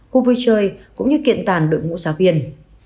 khu vui chơi cũng như kiện tàn đội ngũ giáo viên